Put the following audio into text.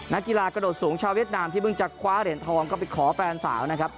นักกีฬากระโดดสูงชาวเวียดนามที่เพิ่งจะคว้าเหรียญทองก็ไปขอแฟนสาวนะครับ